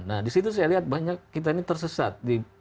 nah disitu saya lihat banyak kita ini tersesat